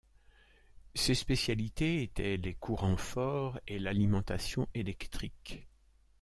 Ses spécialités étaient les courants forts et l'alimentation électrique.